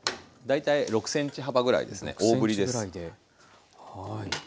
大体６ｃｍ幅ぐらいですね大ぶりです。